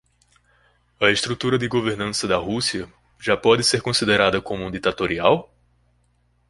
A estrutura de governança da Rússia já pode ser considerada como ditatorial?